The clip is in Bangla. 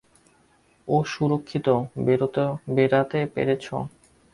ও সুরক্ষিত বেরাতে পেরেছে?